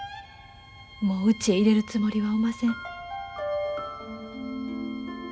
もううちへ入れるつもりはおません。